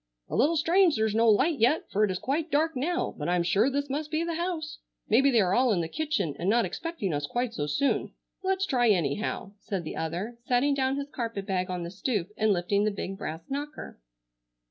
"A little strange there's no light yet, for it is quite dark now, but I'm sure this must be the house. Maybe they are all in the kitchen and not expecting us quite so soon. Let's try anyhow," said the other, setting down his carpet bag on the stoop and lifting the big brass knocker.